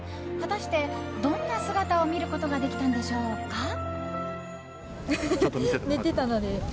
果たしてどんな姿を見ることができたんでしょうか。